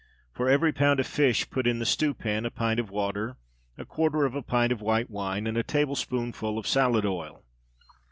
For every pound of fish put in the stewpan a pint of water, a quarter of a pint of white wine, and a tablespoonful of salad oil.